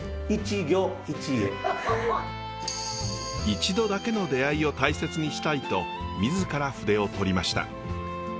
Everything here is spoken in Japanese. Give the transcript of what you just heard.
一度だけの出会いを大切にしたいと自ら筆を執りました。